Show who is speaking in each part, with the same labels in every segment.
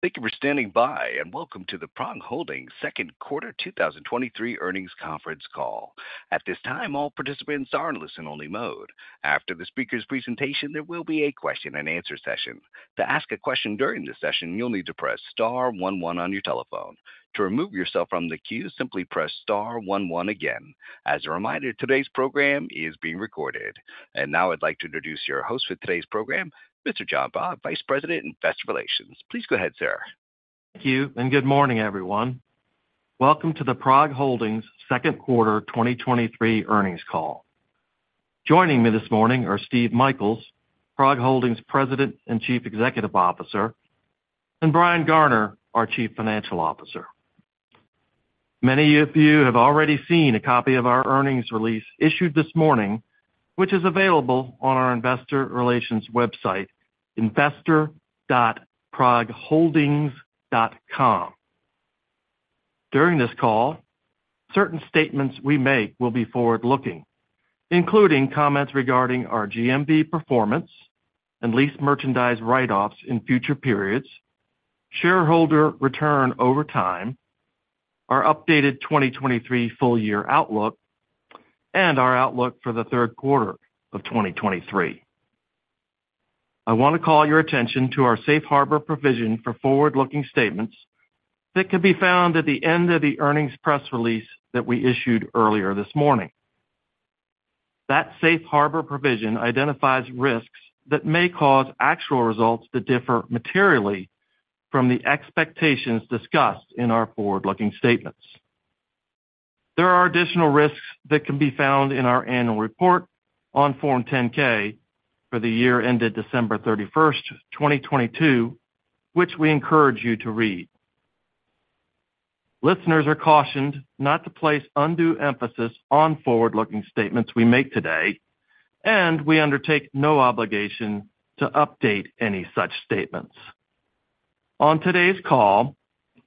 Speaker 1: Thank you for standing by. Welcome to the PROG Holdings Q2 2023 earnings conference call. At this time, all participants are in listen-only mode. After the speaker's presentation, there will be a question and answer session. To ask a question during this session, you'll need to press star one one on your telephone. To remove yourself from the queue, simply press star one one again. As a reminder, today's program is being recorded. Now I'd like to introduce your host for today's program, Mr. John Baugh, Vice President in Investor Relations. Please go ahead, sir.
Speaker 2: Thank you. Good morning, everyone. Welcome to the PROG Holdings Q2 2023 earnings call. Joining me this morning are Steve Michaels, PROG Holdings President and Chief Executive Officer, and Brian Garner, our Chief Financial Officer. Many of you have already seen a copy of our earnings release issued this morning, which is available on our investor relations website, investor.progholdings.com. During this call, certain statements we make will be forward-looking, including comments regarding our GMV performance and lease merchandise write-offs in future periods, shareholder return over time, our updated 2023 full year outlook, and our outlook for the Q3 of 2023. I wanna call your attention to our safe harbor provision for forward-looking statements that can be found at the end of the earnings press release that we issued earlier this morning. That safe harbor provision identifies risks that may cause actual results to differ materially from the expectations discussed in our forward-looking statements. There are additional risks that can be found in our annual report on Form 10-K for the year ended December 31, 2022, which we encourage you to read. Listeners are cautioned not to place undue emphasis on forward-looking statements we make today, and we undertake no obligation to update any such statements. On today's call,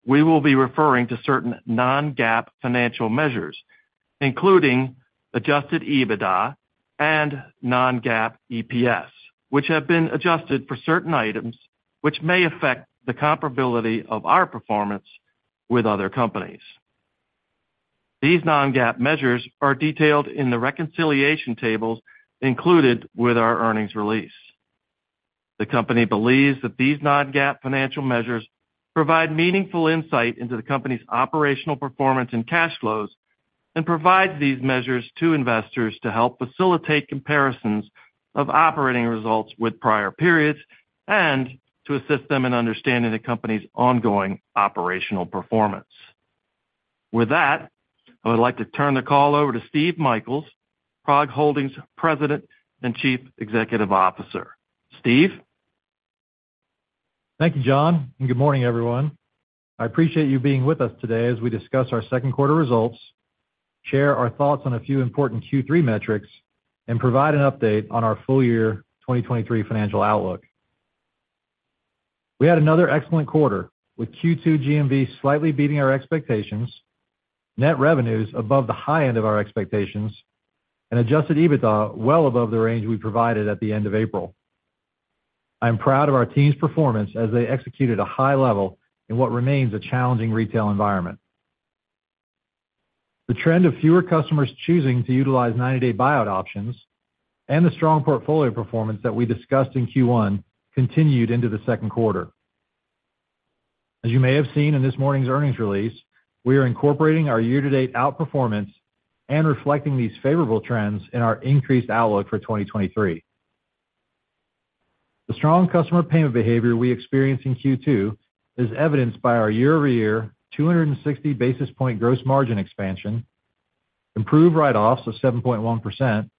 Speaker 2: we will be referring to certain non-GAAP financial measures, including adjusted EBITDA and non-GAAP EPS, which have been adjusted for certain items, which may affect the comparability of our performance with other companies. These non-GAAP measures are detailed in the reconciliation tables included with our earnings release. The company believes that these non-GAAP financial measures provide meaningful insight into the company's operational performance and cash flows and provides these measures to investors to help facilitate comparisons of operating results with prior periods and to assist them in understanding the company's ongoing operational performance. With that, I would like to turn the call over to Steve Michaels, PROG Holdings President and Chief Executive Officer. Steve?
Speaker 3: Thank you, John, and good morning, everyone. I appreciate you being with us today as we discuss our Q2 results, share our thoughts on a few important Q3 metrics, and provide an update on our full year 2023 financial outlook. We had another excellent quarter, with Q2 GMV slightly beating our expectations, net revenues above the high end of our expectations, and adjusted EBITDA well above the range we provided at the end of April. I'm proud of our team's performance as they executed a high level in what remains a challenging retail environment. The trend of fewer customers choosing to utilize ninety-day buyout options and the strong portfolio performance that we discussed in Q1 continued into the Q2. As you may have seen in this morning's earnings release, we are incorporating our year-to-date outperformance and reflecting these favorable trends in our increased outlook for 2023. The strong customer payment behavior we experienced in Q2 is evidenced by our year-over-year 260 basis points gross margin expansion, improved write-offs of 7.1%,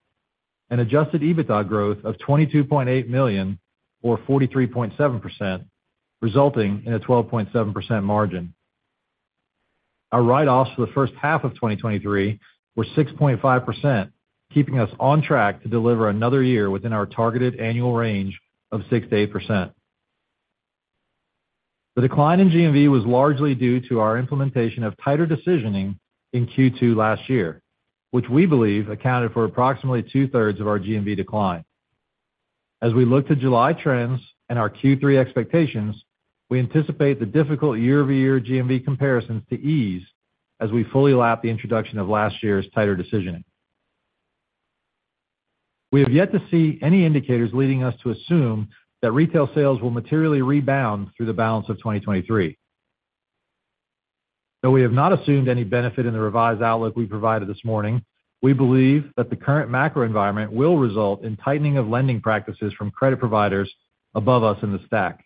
Speaker 3: and adjusted EBITDA growth of $22.8 million, or 43.7%, resulting in a 12.7% margin. Our write-offs for the first half of 2023 were 6.5%, keeping us on track to deliver another year within our targeted annual range of 6%-8%. The decline in GMV was largely due to our implementation of tighter decisioning in Q2 last year, which we believe accounted for approximately two-thirds of our GMV decline. As we look to July trends and our Q3 expectations, we anticipate the difficult year-over-year GMV comparisons to ease as we fully lap the introduction of last year's tighter decisioning. We have yet to see any indicators leading us to assume that retail sales will materially rebound through the balance of 2023. Though we have not assumed any benefit in the revised outlook we provided this morning, we believe that the current macro environment will result in tightening of lending practices from credit providers above us in the stack.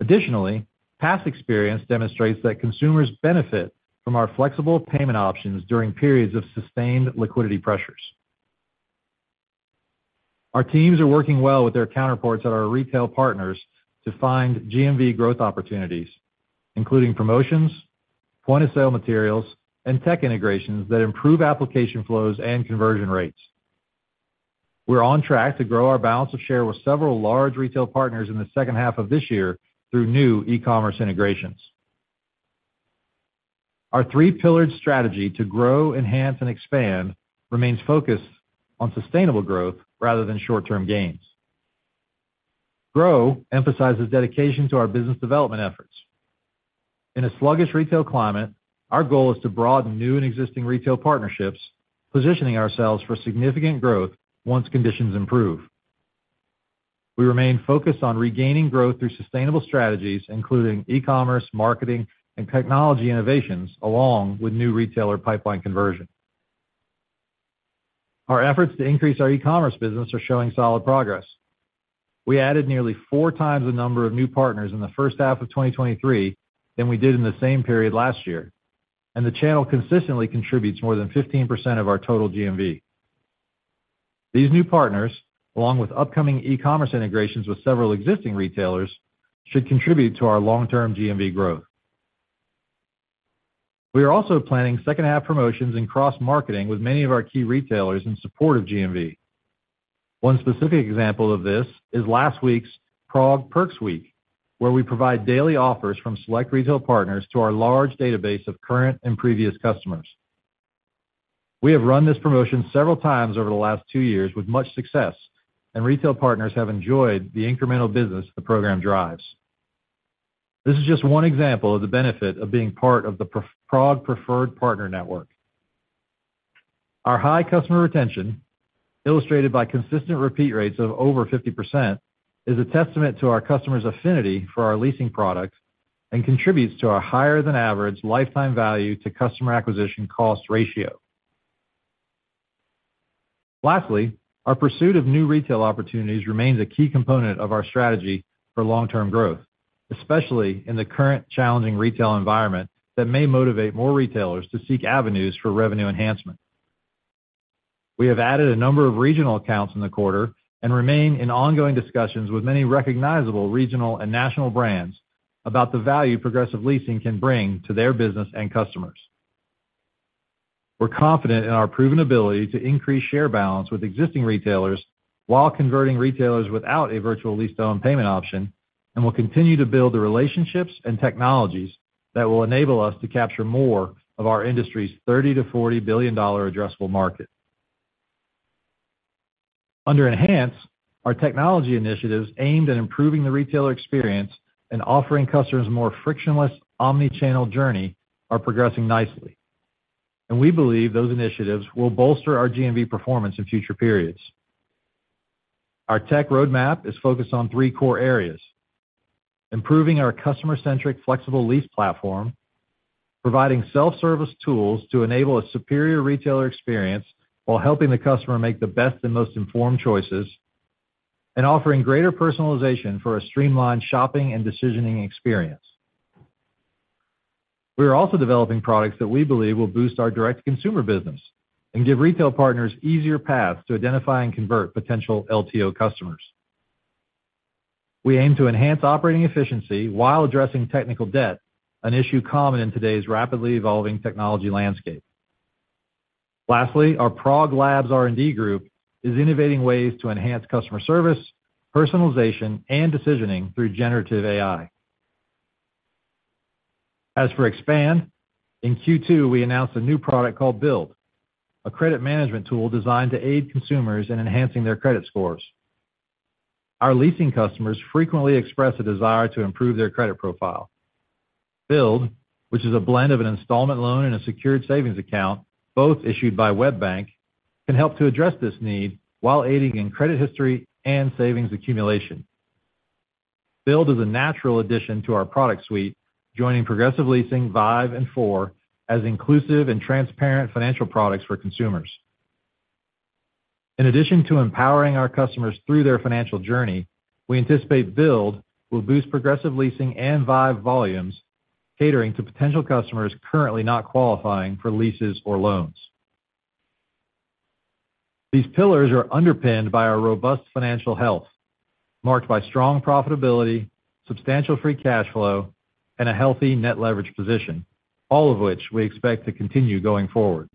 Speaker 3: Additionally, past experience demonstrates that consumers benefit from our flexible payment options during periods of sustained liquidity pressures. Our teams are working well with their counterparts at our retail partners to find GMV growth opportunities, including promotions, point-of-sale materials, and tech integrations that improve application flows and conversion rates. We're on track to grow our balance of share with several large retail partners in the second half of this year through new e-commerce integrations. Our three-pillared strategy to grow, enhance, and expand remains focused on sustainable growth rather than short-term gains. Grow emphasizes dedication to our business development efforts. In a sluggish retail climate, our goal is to broaden new and existing retail partnerships, positioning ourselves for significant growth once conditions improve. We remain focused on regaining growth through sustainable strategies, including e-commerce, marketing, and technology innovations, along with new retailer pipeline conversion. Our efforts to increase our e-commerce business are showing solid progress. We added nearly four times the number of new partners in the first half of 2023 than we did in the same period last year, and the channel consistently contributes more than 15% of our total GMV. These new partners, along with upcoming e-commerce integrations with several existing retailers, should contribute to our long-term GMV growth. We are also planning second-half promotions and cross-marketing with many of our key retailers in support of GMV. One specific example of this is last week's PROG Perks Week, where we provide daily offers from select retail partners to our large database of current and previous customers. We have run this promotion several times over the last two years with much success, and retail partners have enjoyed the incremental business the program drives. This is just one example of the benefit of being part of the PROG Preferred Partner network. Our high customer retention, illustrated by consistent repeat rates of over 50%, is a testament to our customers' affinity for our leasing products and contributes to our higher-than-average lifetime value to customer acquisition cost ratio. Lastly, our pursuit of new retail opportunities remains a key component of our strategy for long-term growth, especially in the current challenging retail environment that may motivate more retailers to seek avenues for revenue enhancement. We have added a number of regional accounts in the quarter and remain in ongoing discussions with many recognizable regional and national brands about the value Progressive Leasing can bring to their business and customers. We're confident in our proven ability to increase share balance with existing retailers, while converting retailers without a virtual lease-to-own payment option, and we'll continue to build the relationships and technologies that will enable us to capture more of our industry's $30 billion-$40 billion addressable market. Under Enhance, our technology initiatives aimed at improving the retailer experience and offering customers a more frictionless, omnichannel journey are progressing nicely, and we believe those initiatives will bolster our GMV performance in future periods. Our tech roadmap is focused on three core areas: improving our customer-centric, flexible lease platform, providing self-service tools to enable a superior retailer experience while helping the customer make the best and most informed choices, and offering greater personalization for a streamlined shopping and decisioning experience. We are also developing products that we believe will boost our direct-to-consumer business and give retail partners easier paths to identify and convert potential LTO customers. We aim to enhance operating efficiency while addressing technical debt, an issue common in today's rapidly evolving technology landscape. Lastly, our PROG Labs R&D group is innovating ways to enhance customer service, personalization, and decisioning through generative AI. As for Expand, in Q2, we announced a new product called Build, a credit management tool designed to aid consumers in enhancing their credit scores. Our leasing customers frequently express a desire to improve their credit profile. Build, which is a blend of an installment loan and a secured savings account, both issued by WebBank, can help to address this need while aiding in credit history and savings accumulation. Build is a natural addition to our product suite, joining Progressive Leasing, Vive, and Four as inclusive and transparent financial products for consumers. In addition to empowering our customers through their financial journey, we anticipate Build will boost Progressive Leasing and Vive volumes, catering to potential customers currently not qualifying for leases or loans. These pillars are underpinned by our robust financial health, marked by strong profitability, substantial free cash flow, and a healthy net leverage position, all of which we expect to continue going forward.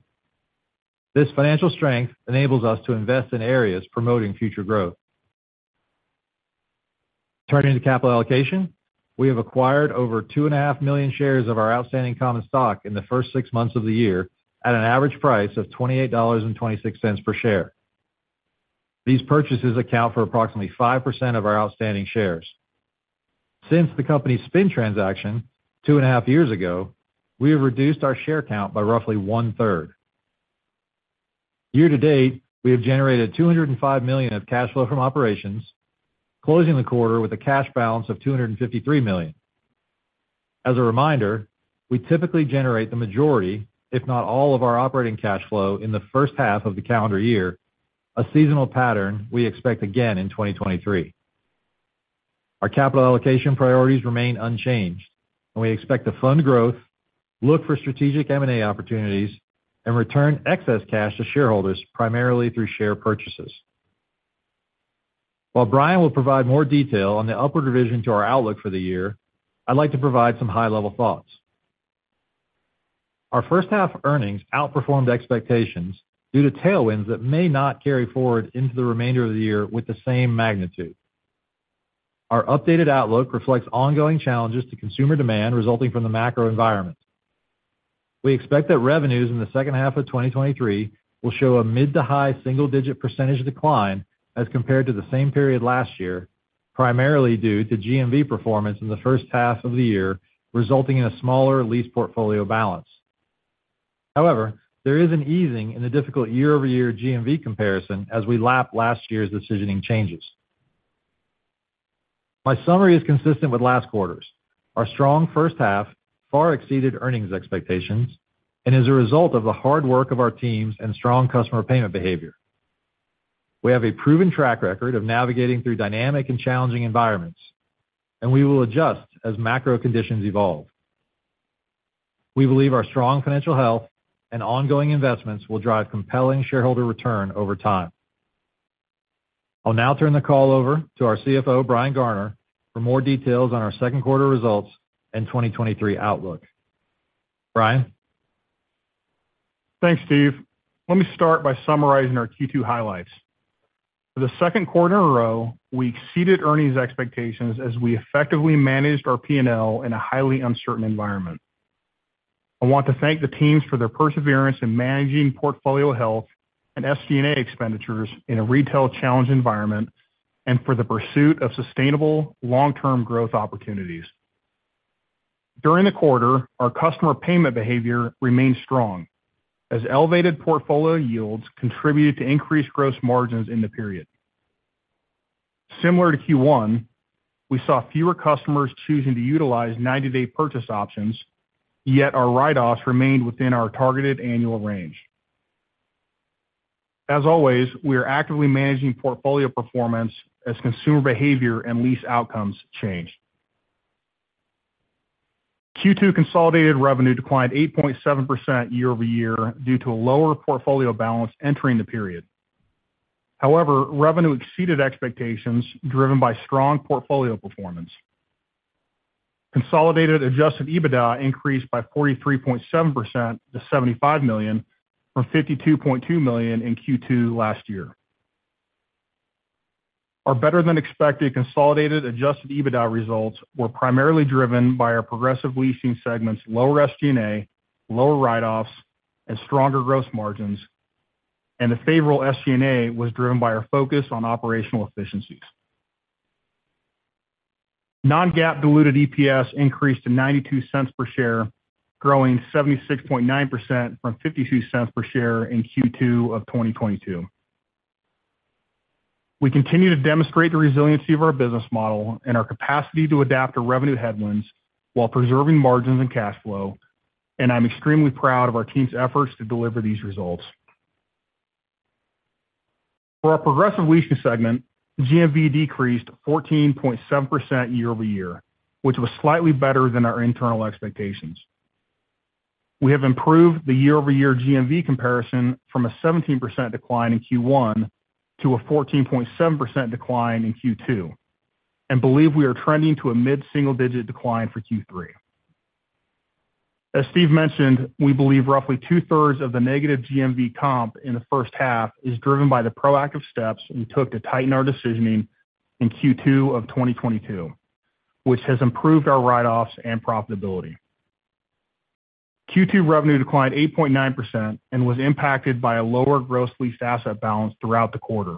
Speaker 3: This financial strength enables us to invest in areas promoting future growth. Turning to capital allocation, we have acquired over two and a half million shares of our outstanding common stock in the first six months of the year at an average price of $28.26 per share. These purchases account for approximately 5% of our outstanding shares. Since the company's spin transaction two and a half years ago, we have reduced our share count by roughly one-third. Year-to-date, we have generated $205 million of cash flow from operations, closing the quarter with a cash balance of $253 million. As a reminder, we typically generate the majority, if not all, of our operating cash flow in the first half of the calendar year, a seasonal pattern we expect again in 2023. Our capital allocation priorities remain unchanged, we expect to fund growth, look for strategic M&A opportunities, and return excess cash to shareholders, primarily through share purchases. While Brian will provide more detail on the upward revision to our outlook for the year, I'd like to provide some high-level thoughts. Our first-half earnings outperformed expectations due to tailwinds that may not carry forward into the remainder of the year with the same magnitude. Our updated outlook reflects ongoing challenges to consumer demand resulting from the macro environment. We expect that revenues in the second half of 2023 will show a mid- to high single-digit % decline as compared to the same period last year, primarily due to GMV performance in the first half of the year, resulting in a smaller lease portfolio balance. However, there is an easing in the difficult year-over-year GMV comparison as we lap last year's decisioning changes. My summary is consistent with last quarter's. Our strong first half far exceeded earnings expectations and is a result of the hard work of our teams and strong customer payment behavior. We have a proven track record of navigating through dynamic and challenging environments, and we will adjust as macro conditions evolve. We believe our strong financial health and ongoing investments will drive compelling shareholder return over time. I'll now turn the call over to our CFO, Brian Garner, for more details on our Q2 results and 2023 outlook. Brian?
Speaker 4: Thanks, Steve. Let me start by summarizing our Q2 highlights. For the Q2 in a row, we exceeded earnings expectations as we effectively managed our P&L in a highly uncertain environment. I want to thank the teams for their perseverance in managing portfolio health and SG&A expenditures in a retail challenged environment and for the pursuit of sustainable long-term growth opportunities. During the quarter, our customer payment behavior remained strong as elevated portfolio yields contributed to increased gross margins in the period. Similar to Q1, we saw fewer customers choosing to utilize ninety-day purchase options, yet our write-offs remained within our targeted annual range. As always, we are actively managing portfolio performance as consumer behavior and lease outcomes change. Q2 consolidated revenue declined 8.7% year-over-year due to a lower portfolio balance entering the period. Revenue exceeded expectations, driven by strong portfolio performance. Consolidated adjusted EBITDA increased by 43.7% to $75 million, from $52.2 million in Q2 last year. Our better-than-expected consolidated adjusted EBITDA results were primarily driven by our Progressive Leasing segment's lower SG&A, lower write-offs, and stronger gross margins. The favorable SG&A was driven by our focus on operational efficiencies. Non-GAAP Diluted EPS increased to $0.92 per share, growing 76.9% from $0.52 per share in Q2 2022. We continue to demonstrate the resiliency of our business model and our capacity to adapt to revenue headwinds while preserving margins and cash flow. I'm extremely proud of our team's efforts to deliver these results. For our Progressive Leasing segment, GMV decreased 14.7% year-over-year, which was slightly better than our internal expectations. We have improved the year-over-year GMV comparison from a 17% decline in Q1 to a 14.7% decline in Q2, and believe we are trending to a mid-single-digit decline for Q3. As Steve mentioned, we believe roughly two-thirds of the negative GMV comp in the first half is driven by the proactive steps we took to tighten our decisioning in Q2 of 2022, which has improved our write-offs and profitability. Q2 revenue declined 8.9% and was impacted by a lower gross leased asset balance throughout the quarter,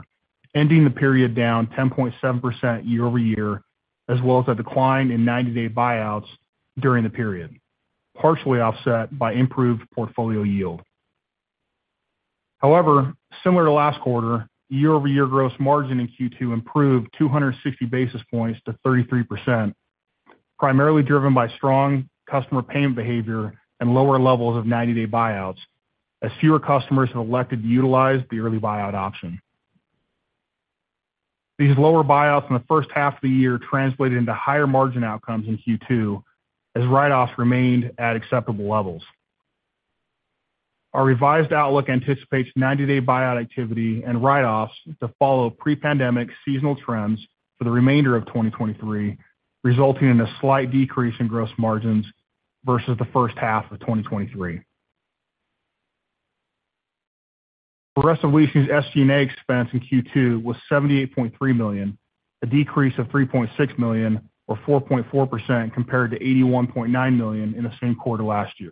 Speaker 4: ending the period down 10.7% year-over-year, as well as a decline in 90-day buyouts during the period, partially offset by improved portfolio yield. Similar to last quarter, year-over-year gross margin in Q2 improved 260 basis pointss to 33%, primarily driven by strong customer payment behavior and lower levels of 90-day buyouts, as fewer customers have elected to utilize the early buyout option. These lower buyouts in the first half of the year translated into higher margin outcomes in Q2, as write-offs remained at acceptable levels. Our revised outlook anticipates 90-day buyout activity and write-offs to follow pre-pandemic seasonal trends for the remainder of 2023, resulting in a slight decrease in gross margins versus the first half of 2023. Progressive Leasing's SG&A expense in Q2 was $78.3 million, a decrease of $3.6 million, or 4.4% compared to $81.9 million in the same quarter last year.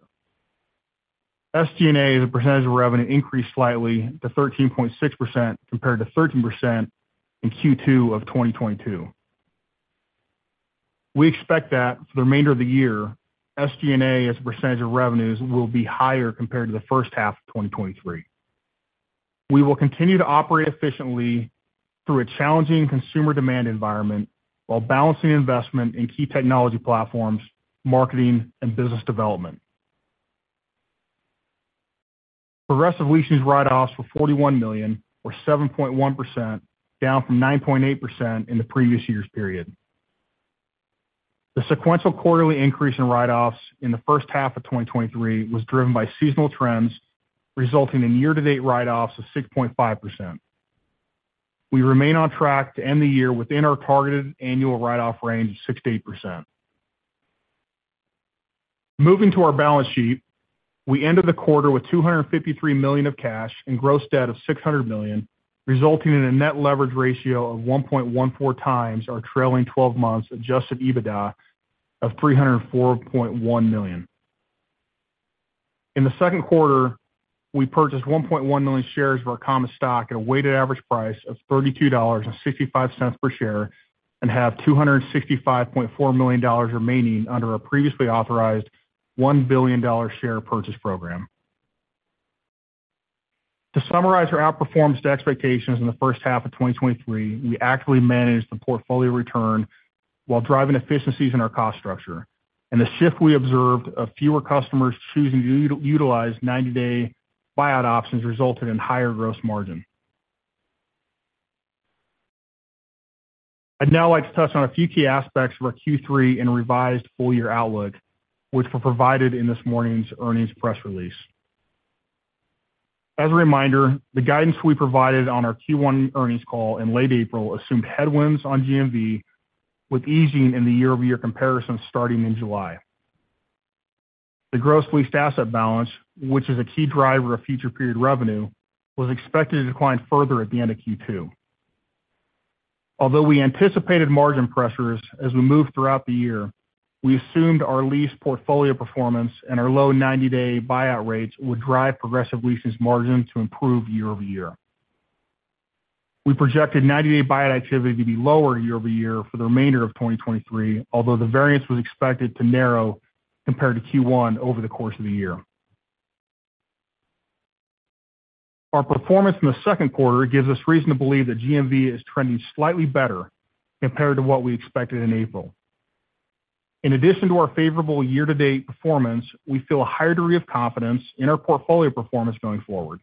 Speaker 4: SG&A as a percentage of revenue increased slightly to 13.6% compared to 13% in Q2 of 2022. We expect that for the remainder of the year, SG&A as a percentage of revenues will be higher compared to the first half of 2023. We will continue to operate efficiently through a challenging consumer demand environment while balancing investment in key technology platforms, marketing and business development. Progressive Leasing's write-offs were $41 million, or 7.1%, down from 9.8% in the previous year's period. The sequential quarterly increase in write-offs in the first half of 2023 was driven by seasonal trends, resulting in year-to-date write-offs of 6.5%. We remain on track to end the year within our targeted annual write-off range of 6%-8%. Moving to our balance sheet, we ended the quarter with $253 million of cash and gross debt of $600 million, resulting in a net leverage ratio of 1.14 times our trailing twelve months adjusted EBITDA of $304.1 million. In the Q2, we purchased 1.1 million shares of our common stock at a weighted average price of $32.65 per share, and have $265.4 million remaining under our previously authorized $1 billion share purchase program. To summarize our outperformance to expectations in the first half of 2023, we actively managed the portfolio return while driving efficiencies in our cost structure, and the shift we observed of fewer customers choosing to utilize 90-day buyout options resulted in higher gross margin. I'd now like to touch on a few key aspects of our Q3 and revised full year outlook, which were provided in this morning's earnings press release. As a reminder, the guidance we provided on our Q1 earnings call in late April assumed headwinds on GMV, with easing in the year-over-year comparison starting in July. The gross leased asset balance, which is a key driver of future period revenue, was expected to decline further at the end of Q2. Although we anticipated margin pressures as we move throughout the year, we assumed our lease portfolio performance and our low 90-day buyout rates would drive Progressive Leasing's margin to improve year-over-year. We projected 90-day buyout activity to be lower year-over-year for the remainder of 2023, although the variance was expected to narrow compared to Q1 over the course of the year. Our performance in the Q2 gives us reason to believe that GMV is trending slightly better compared to what we expected in April. In addition to our favorable year-to-date performance, we feel a higher degree of confidence in our portfolio performance going forward.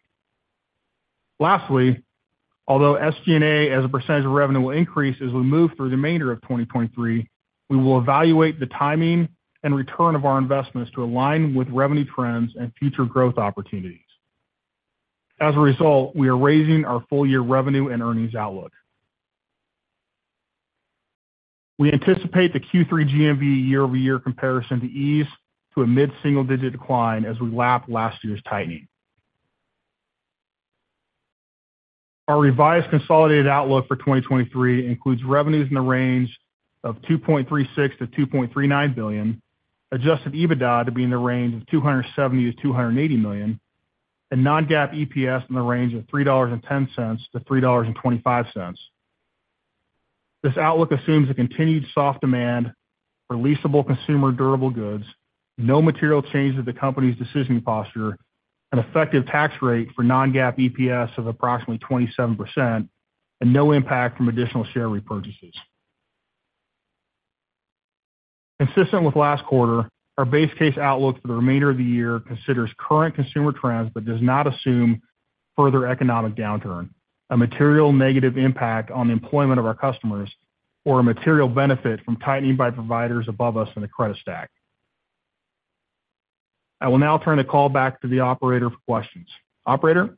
Speaker 4: Lastly, although SG&A as a % of revenue will increase as we move through the remainder of 2023, we will evaluate the timing and return of our investments to align with revenue trends and future growth opportunities. As a result, we are raising our full year revenue and earnings outlook. We anticipate the Q3 GMV year-over-year comparison to ease to a mid-single-digit decline as we lap last year's tightening. Our revised consolidated outlook for 2023 includes revenues in the range of $2.36 billion-$2.39 billion, adjusted EBITDA to be in the range of $270 million-$280 million, and non-GAAP EPS in the range of $3.10-$3.25. This outlook assumes a continued soft demand for leasable consumer durable goods, no material change to the company's decisioning posture, an effective tax rate for non-GAAP EPS of approximately 27%, and no impact from additional share repurchases. Consistent with last quarter, our base case outlook for the remainder of the year considers current consumer trends, but does not assume further economic downturn, a material negative impact on the employment of our customers, or a material benefit from tightening by providers above us in the credit stack. I will now turn the call back to the operator for questions. Operator?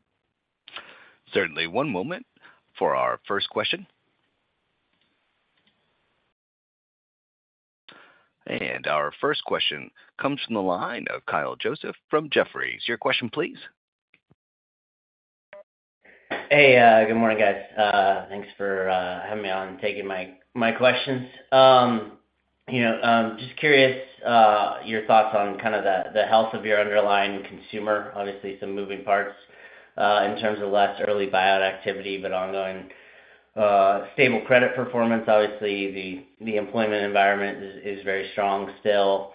Speaker 1: Certainly. One moment for our first question. Our first question comes from the line of Kyle Joseph from Jefferies. Your question, please.
Speaker 5: Hey, good morning, guys. Thanks for having me on and taking my questions. You know, just curious, your thoughts on kind of the health of your underlying consumer. Obviously, some moving parts in terms of less early buyout activity, but ongoing stable credit performance. Obviously, the employment environment is very strong still.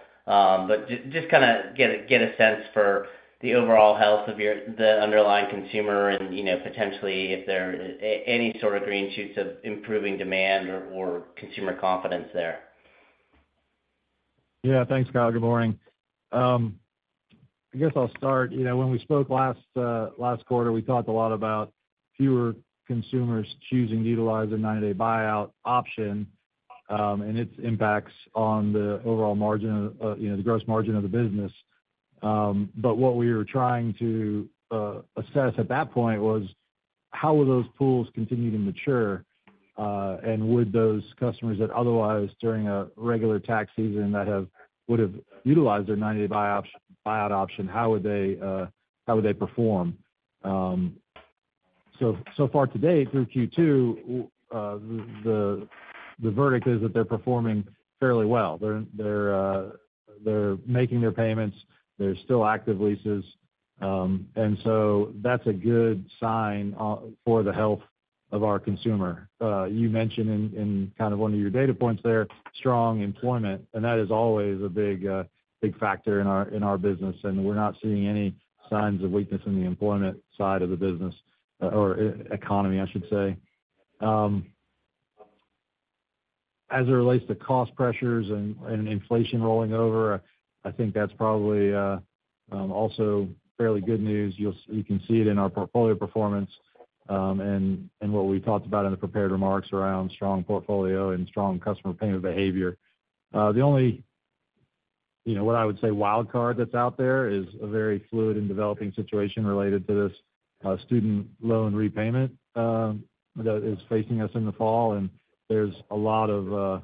Speaker 5: Just kinda get a sense for the overall health of the underlying consumer and, you know, potentially if there are any sort of green shoots of improving demand or consumer confidence there?
Speaker 4: Thanks, Kyle. Good morning. I guess I'll start. You know, when we spoke last quarter, we talked a lot about fewer consumers choosing to utilize their 90-day buyout option, and its impacts on the overall margin, you know, the gross margin of the business. What we were trying to assess at that point was how will those pools continue to mature, and would those customers that otherwise, during a regular tax season, would have utilized their ninety-day buyout option, how would they perform? So far to date, through Q2, the verdict is that they're performing fairly well. They're making their payments. They're still active leases. That's a good sign for the health of our consumer. You mentioned in kind of one of your data points there, strong employment, and that is always a big factor in our, in our business, and we're not seeing any signs of weakness in the employment side of the business, or economy, I should say. As it relates to cost pressures and inflation rolling over, I think that's probably also fairly good news. You can see it in our portfolio performance, and what we talked about in the prepared remarks around strong portfolio and strong customer payment behavior. The only, you know, what I would say, wild card that's out there is a very fluid and developing situation related to this,... student loan repayment that is facing us in the fall. There's a lot of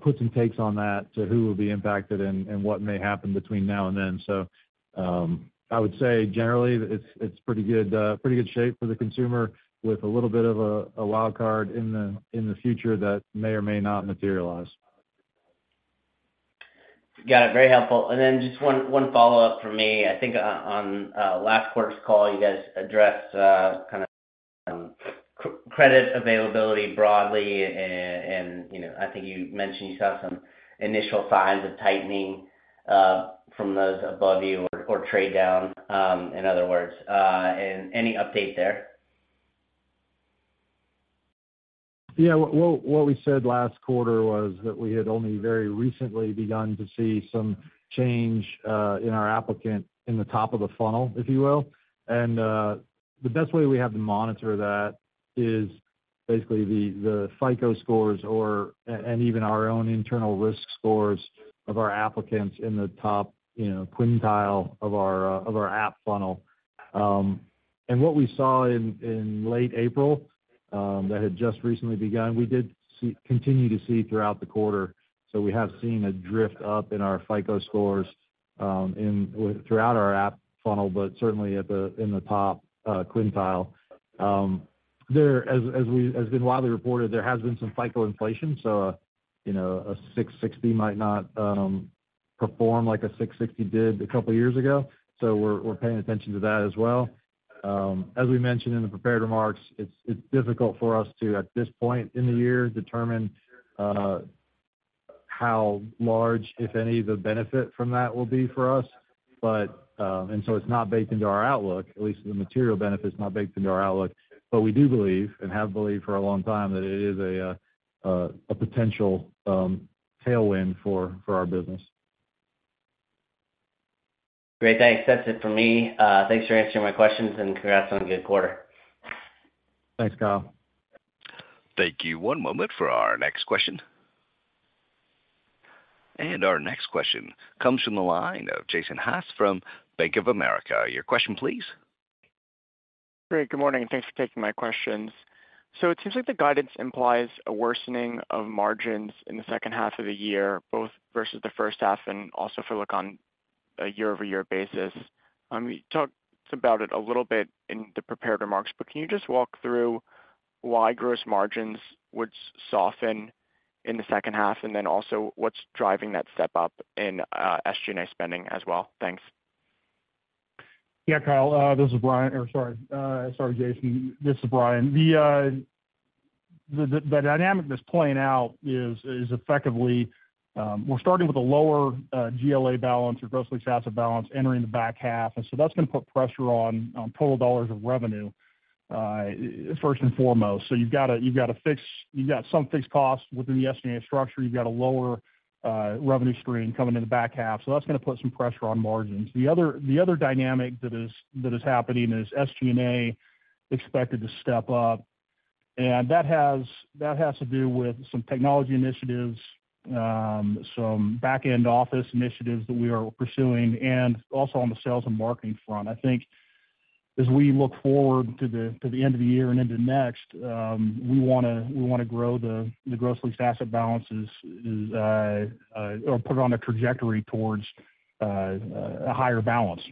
Speaker 4: puts and takes on that to who will be impacted and what may happen between now and then. I would say generally, it's pretty good, pretty good shape for the consumer, with a little bit of a wild card in the future that may or may not materialize.
Speaker 5: Got it. Very helpful. Just one follow-up for me. I think on last quarter's call, you guys addressed kind of credit availability broadly, you know, I think you mentioned you saw some initial signs of tightening from those above you or trade down, in other words, any update there?
Speaker 4: What we said last quarter was that we had only very recently begun to see some change in our applicant in the top of the funnel, if you will. The best way we have to monitor that is basically the FICO scores or and even our own internal risk scores of our applicants in the top, you know, quintile of our app funnel. What we saw in late April that had just recently begun, we did continue to see throughout the quarter. We have seen a drift up in our FICO scores in throughout our app funnel, but certainly at the in the top quintile. There, as has been widely reported, there has been some FICO inflation, so, you know, a 660 might not perform like a 660 did a couple of years ago. We're paying attention to that as well. As we mentioned in the prepared remarks, it's difficult for us to, at this point in the year, determine how large, if any, the benefit from that will be for us. It's not baked into our outlook, at least the material benefit is not baked into our outlook. We do believe, and have believed for a long time, that it is a potential tailwind for our business.
Speaker 5: Great, thanks. That's it for me. Thanks for answering my questions, and congrats on a good quarter.
Speaker 4: Thanks, Kyle.
Speaker 1: Thank you. One moment for our next question. Our next question comes from the line of Jason Haas from Bank of America. Your question, please.
Speaker 6: Great, good morning, thanks for taking my questions. It seems like the guidance implies a worsening of margins in the second half of the year, both versus the first half and also if you look on a year-over-year basis. You talked about it a little bit in the prepared remarks, but can you just walk through why gross margins would soften in the second half, and then also, what's driving that step up in SG&A spending as well? Thanks.
Speaker 4: Kyle, this is Brian. Or sorry. Sorry, Jason, this is Brian. The dynamic that's playing out is effectively, we're starting with a lower GLA balance or gross leased asset balance entering the back half, that's going to put pressure on total dollars of revenue first and foremost. You've got to, you've got some fixed costs within the SG&A structure. You've got a lower revenue stream coming in the back half, so that's going to put some pressure on margins. The other dynamic that is happening is SG&A expected to step up, and that has to do with some technology initiatives, some back-end office initiatives that we are pursuing, and also on the sales and marketing front. I think as we look forward to the end of the year and into next, we want to grow the gross leased asset balances or put it on a trajectory towards a higher balance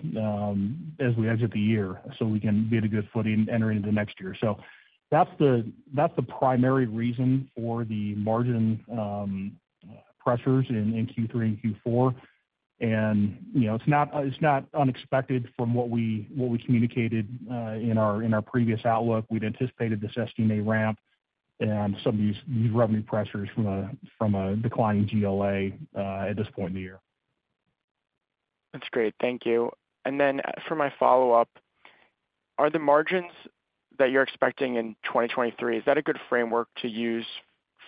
Speaker 4: as we exit the year, so we can be at a good footing entering the next year. That's the primary reason for the margin pressures in Q3 and Q4. You know, it's not unexpected from what we communicated in our previous outlook. We'd anticipated this SG&A ramp and some of these revenue pressures from a declining GLA at this point in the year.
Speaker 6: That's great. Thank you. For my follow-up, are the margins that you're expecting in 2023, is that a good framework to use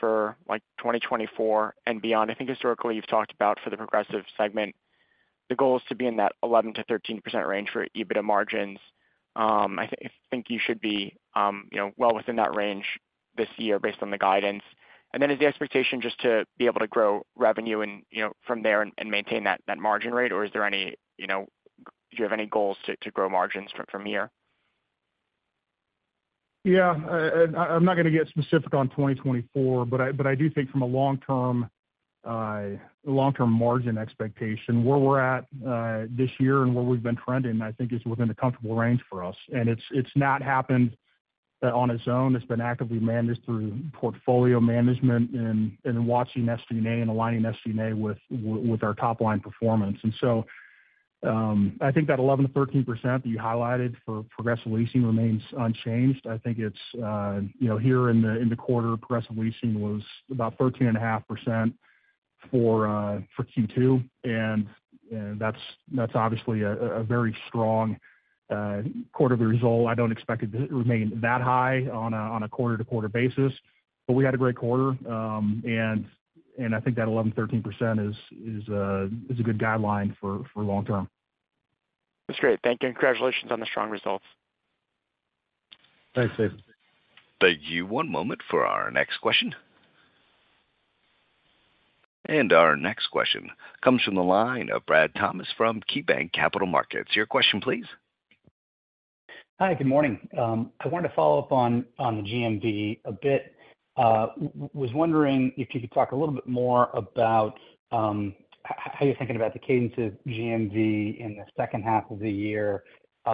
Speaker 6: for, like, 2024 and beyond? I think historically, you've talked about for the Progressive Leasing segment, the goal is to be in that 11%-13% range for EBITDA margins. I think you should be, you know, well within that range this year based on the guidance. Is the expectation just to be able to grow revenue and maintain that margin rate, or is there any, you know, do you have any goals to grow margins from here?
Speaker 4: Yeah. I'm not going to get specific on 2024, but I do think from a long-term, long-term margin expectation, where we're at this year and where we've been trending, I think is within a comfortable range for us. It's not happened on its own. It's been actively managed through portfolio management and watching SG&A and aligning SG&A with our top-line performance. I think that 11%-13% that you highlighted for Progressive Leasing remains unchanged. I think it's, you know, here in the quarter, Progressive Leasing was about 13.5% for Q2, and that's obviously a very strong quarter of the result. I don't expect it to remain that high on a quarter-to-quarter basis, but we had a great quarter. I think that 11%-13% is a good guideline for long term.
Speaker 6: That's great. Thank you, and congratulations on the strong results.
Speaker 4: Thanks, Jason.
Speaker 1: Thank you. One moment for our next question. Our next question comes from the line of Brad Thomas from KeyBanc Capital Markets. Your question, please?
Speaker 7: Hi, good morning. I wanted to follow up on the GMV a bit. Was wondering if you could talk a little bit more about how you're thinking about the cadence of GMV in the second half of the year? You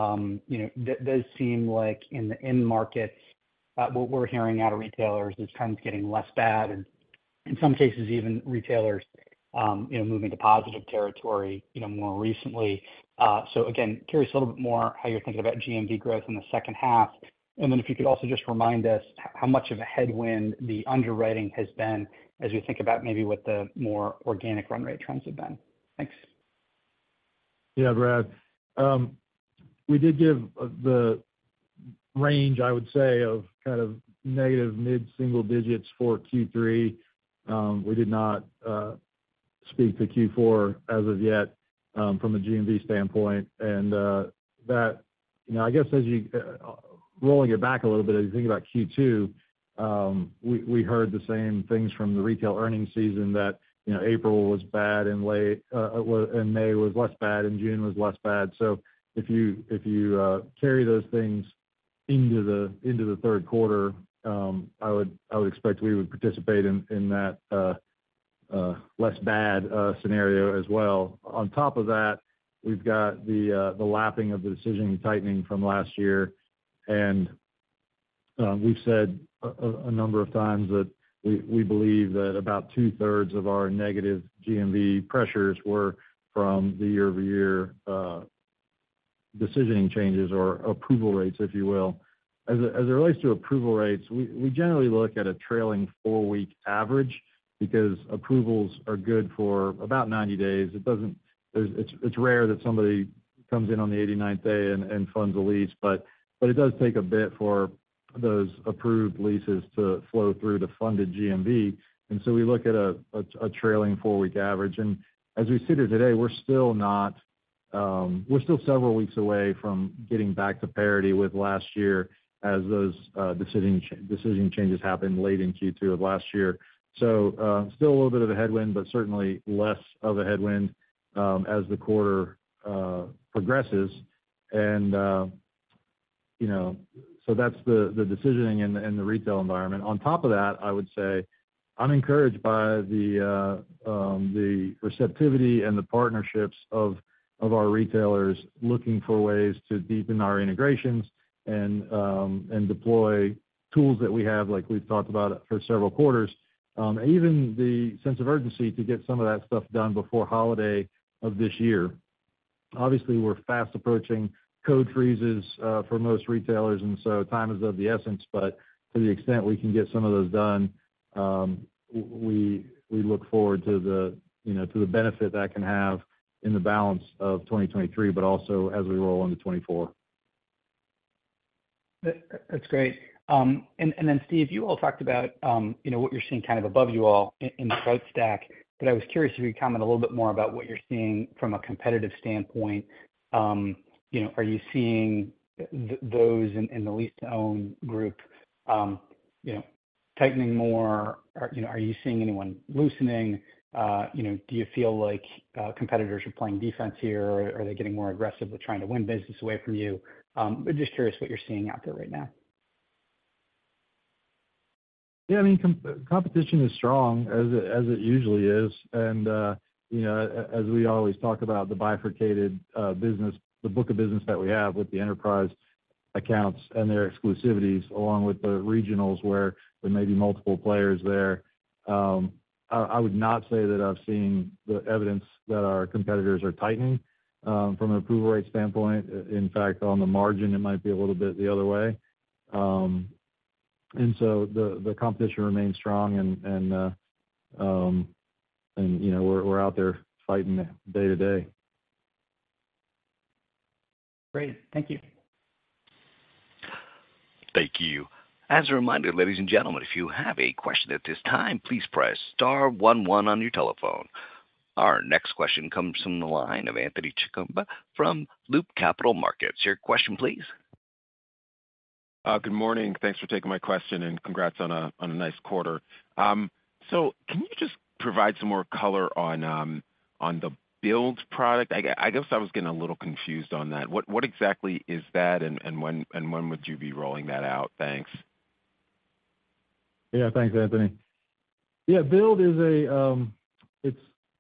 Speaker 7: know, those seem like in the end markets, what we're hearing out of retailers is trends getting less bad, and in some cases, even retailers, you know, moving to positive territory, you know, more recently. So again, curious a little bit more how you're thinking about GMV growth in the second half? Then if you could also just remind us how much of a headwind the underwriting has been as we think about maybe what the more organic run rate trends have been? Thanks.
Speaker 3: Yeah, Brad. We did give the range, I would say, of kind of negative mid-single digit for Q3. We did not speak to Q4 as of yet from a GMV standpoint. That, you know, I guess as you rolling it back a little bit, as you think about Q2, we heard the same things from the retail earnings season that, you know, April was bad and May was less bad and June was less bad. If you carry those things into the into the Q3, I would expect we would participate in that less bad scenario as well. On top of that, we've got the lapping of the decision tightening from last year. We've said a number of times that we believe that about two-thirds of our negative GMV pressures were from the year-over-year decisioning changes or approval rates, if you will. As it relates to approval rates, we generally look at a trailing four-week average because approvals are good for about 90 days. It's rare that somebody comes in on the 89th day and funds a lease, but it does take a bit for those approved leases to flow through to funded GMV. We look at a trailing four-week average. As we sit here today, we're still not, we're still several weeks away from getting back to parity with last year as those decision changes happened late in Q2 of last year. Still a little bit of a headwind, but certainly less of a headwind, as the quarter progresses. You know, so that's the decisioning in the, in the retail environment. On top of that, I would say, I'm encouraged by the receptivity and the partnerships of our retailers looking for ways to deepen our integrations and deploy tools that we have, like we've talked about for several quarters. Even the sense of urgency to get some of that stuff done before holiday of this year. Obviously, we're fast approaching code freezes for most retailers, and so time is of the essence. To the extent we can get some of those done, we look forward to the, you know, to the benefit that can have in the balance of 2023, but also as we roll into 2024.
Speaker 7: That's great. And then, Steve, you all talked about, you know, what you're seeing kind of above you all in the growth stack. I was curious if you could comment a little bit more about what you're seeing from a competitive standpoint. You know, are you seeing those in the lease-to-own group, you know, tightening more? You know, are you seeing anyone loosening? You know, do you feel like competitors are playing defense here, or are they getting more aggressive with trying to win business away from you? Just curious what you're seeing out there right now.
Speaker 3: Yeah, I mean, competition is strong, as it usually is. You know, as we always talk about the bifurcated business, the book of business that we have with the enterprise accounts and their exclusivities, along with the regionals, where there may be multiple players there. I would not say that I've seen the evidence that our competitors are tightening from an approval rate standpoint. In fact, on the margin, it might be a little bit the other way. The competition remains strong and, you know, we're out there fighting it day to day.
Speaker 7: Great. Thank you.
Speaker 1: Thank you. As a reminder, ladies and gentlemen, if you have a question at this time, please press star one one on your telephone. Our next question comes from the line of Anthony Chukumba from Loop Capital Markets. Your question, please.
Speaker 8: Good morning. Thanks for taking my question, and congrats on a nice quarter. Can you just provide some more color on the Build product? I guess I was getting a little confused on that. What exactly is that, and when would you be rolling that out? Thanks.
Speaker 3: Yeah. Thanks, Anthony. Yeah, Build is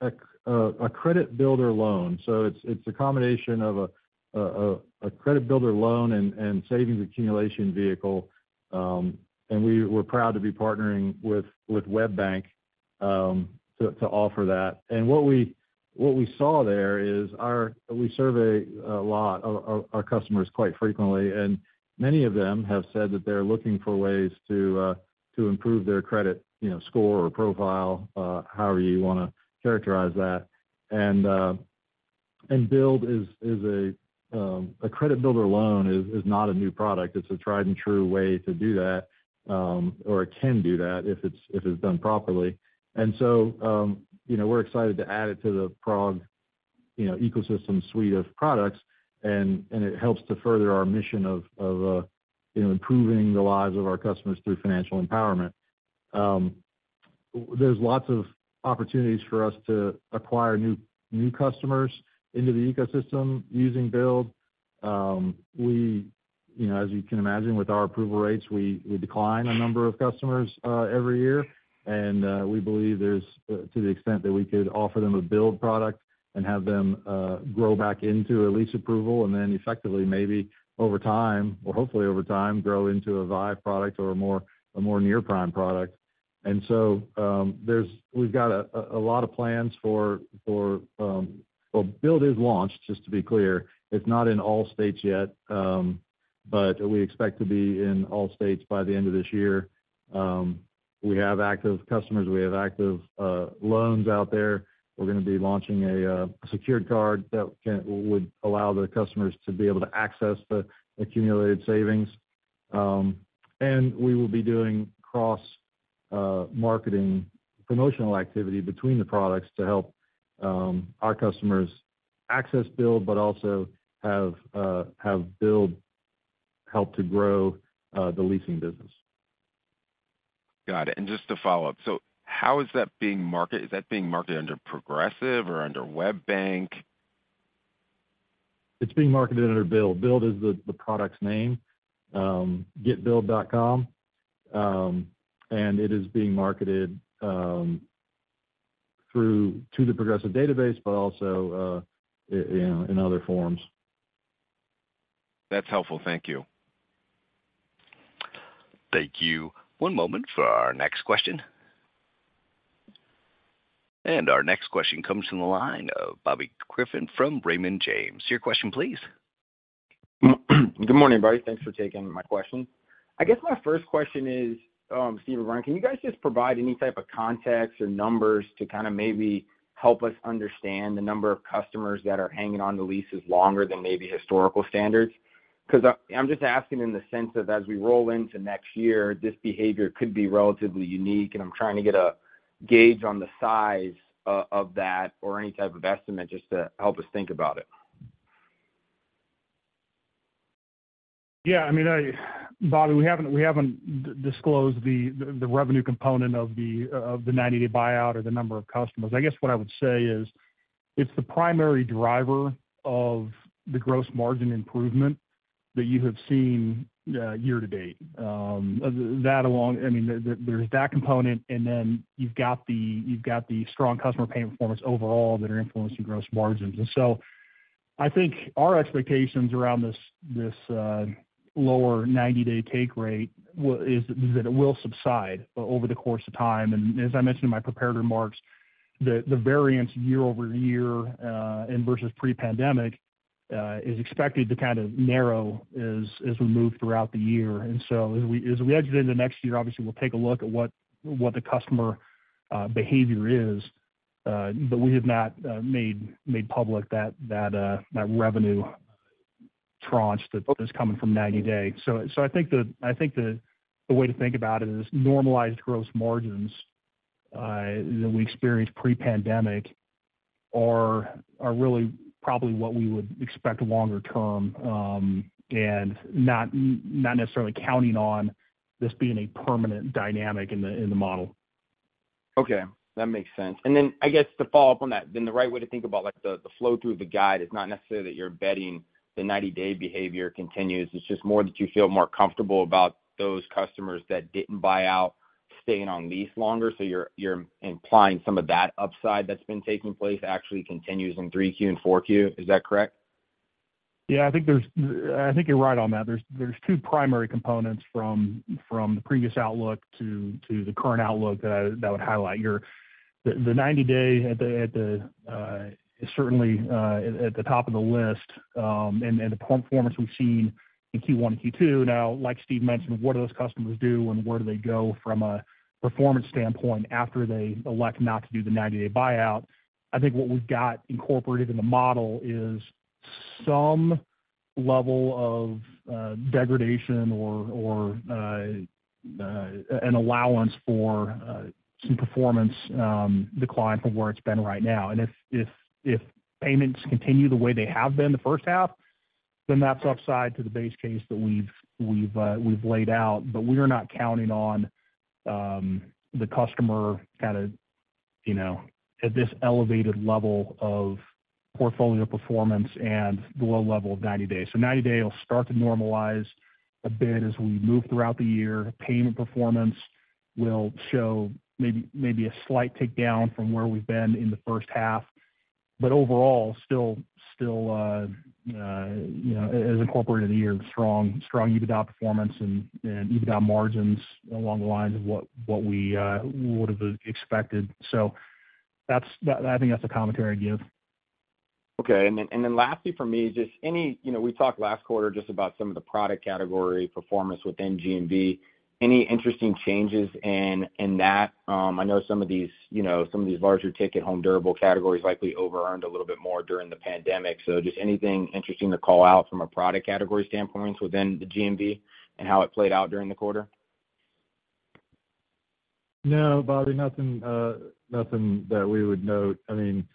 Speaker 3: a credit builder loan, so it's a combination of a credit builder loan and savings accumulation vehicle. We're proud to be partnering with WebBank to offer that. What we saw there is our. We survey a lot, our customers quite frequently, and many of them have said that they're looking for ways to improve their credit, you know, score or profile, however you want to characterize that. Build is a credit builder loan, is not a new product. It's a tried-and-true way to do that, or it can do that, if it's done properly. You know, we're excited to add it to the product... you know, ecosystem suite of products, and it helps to further our mission of, you know, improving the lives of our customers through financial empowerment. There's lots of opportunities for us to acquire new customers into the ecosystem using Build. We, you know, as you can imagine, with our approval rates, we decline a number of customers every year. We believe there's to the extent that we could offer them a Build product and have them grow back into a lease approval, and then effectively, maybe over time, or hopefully over time, grow into a Vive product or a more near-prime product. We've got a lot of plans for... Well, Build is launched, just to be clear. It's not in all states yet, but we expect to be in all states by the end of this year. We have active customers. We have active loans out there. We're gonna be launching a secured card that would allow the customers to be able to access the accumulated savings. We will be doing cross marketing promotional activity between the products to help our customers access Build, but also have Build help to grow the leasing business.
Speaker 8: Got it. Just to follow up: How is that being marketed? Is that being marketed under Progressive or under WebBank?
Speaker 3: It's being marketed under Build. Build is the product's name, getbuild.com. It is being marketed through to the Progressive database, but also in other forms.
Speaker 8: That's helpful. Thank you.
Speaker 1: Thank you. One moment for our next question. Our next question comes from the line of Bobby Griffin from Raymond James. Your question, please.
Speaker 9: Good morning, everybody. Thanks for taking my question. I guess my first question is, Steve or Brian, can you guys just provide any type of context or numbers to kind of maybe help us understand the number of customers that are hanging on the leases longer than maybe historical standards? I'm just asking in the sense that as we roll into next year, this behavior could be relatively unique, and I'm trying to get a gauge on the size of that, or any type of estimate, just to help us think about it.
Speaker 4: I mean, Bobby, we haven't disclosed the revenue component of the 90-day buyout or the number of customers. I guess what I would say is, it's the primary driver of the gross margin improvement that you have seen year to date. I mean, there's that component, and then you've got the strong customer paying performance overall that are influencing gross margins. I think our expectations around this lower 90-day take rate is that it will subside over the course of time. As I mentioned in my prepared remarks, the variance year-over-year and versus pre-pandemic is expected to kind of narrow as we move throughout the year. As we edge into the next year, obviously, we'll take a look at what the customer behavior is. But we have not made public that revenue tranche that is coming from 90-day. I think the way to think about it is normalized gross margins that we experienced pre-pandemic are really probably what we would expect longer term, and not necessarily counting on this being a permanent dynamic in the model.
Speaker 9: Okay, that makes sense. I guess, to follow up on that, then the right way to think about, like, the flow through the guide is not necessarily that you're betting the 90-day behavior continues. It's just more that you feel more comfortable about those customers that didn't buy out, staying on lease longer. You're implying some of that upside that's been taking place actually continues in Q3 and Q4. Is that correct?
Speaker 4: I think there's, I think you're right on that. There's two primary components from the previous outlook to the current outlook that would highlight. The 90-day at the is certainly at the top of the list, and the performance we've seen in Q1 and Q2. Now, like Steve mentioned, what do those customers do, and where do they go from a performance standpoint after they elect not to do the 90-day buyout? I think what we've got incorporated in the model is some level of degradation or an allowance for some performance decline from where it's been right now. If payments continue the way they have been the first half, then that's upside to the base case that we've laid out. We are not counting on the customer kind of you know, at this elevated level of portfolio performance and the low level of 90 days. 90 days will start to normalize a bit as we move throughout the year. Payment performance will show maybe a slight tick down from where we've been in the first half. Overall, still, you know, as incorporated in the year, strong EBITDA performance and EBITDA margins along the lines of what we would have expected. That's, I think that's the commentary I'd give.
Speaker 9: Okay. lastly for me, just any... You know, we talked last quarter just about some of the product category performance within GMV. Any interesting changes in that? I know some of these, you know, some of these larger ticket home durable categories likely overearned a little bit more during the pandemic. just anything interesting to call out from a product category standpoint within the GMV and how it played out during the quarter?
Speaker 3: No, Bobby, nothing that we would note. I mean,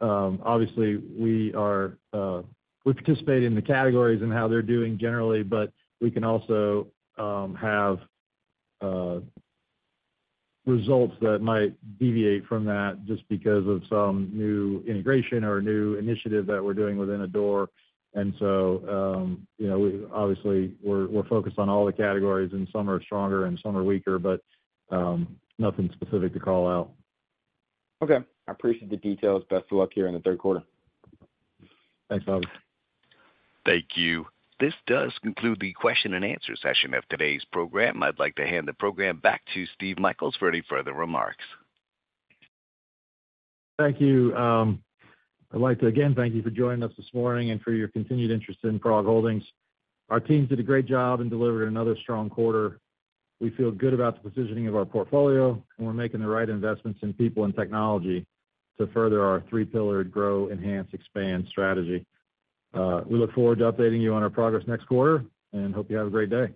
Speaker 3: obviously, we are, we participate in the categories and how they're doing generally, but we can also have results that might deviate from that just because of some new integration or new initiative that we're doing within a door. You know, we obviously we're focused on all the categories, and some are stronger and some are weaker, but, nothing specific to call out.
Speaker 9: Okay, I appreciate the details. Best of luck here in the Q3.
Speaker 3: Thanks, Bobby.
Speaker 1: Thank you. This does conclude the question and answer session of today's program. I'd like to hand the program back to Steve Michaels for any further remarks.
Speaker 3: Thank you. I'd like to again thank you for joining us this morning and for your continued interest in PROG Holdings. Our teams did a great job and delivered another strong quarter. We feel good about the positioning of our portfolio, and we're making the right investments in people and technology to further our three-pillared grow, enhance, expand strategy. We look forward to updating you on our progress next quarter and hope you have a great day.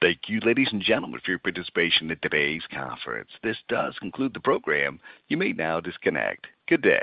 Speaker 1: Thank you, ladies and gentlemen, for your participation in today's conference. This does conclude the program. You may now disconnect. Good day.